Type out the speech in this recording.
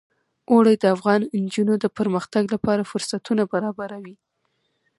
اوړي د افغان نجونو د پرمختګ لپاره فرصتونه برابروي.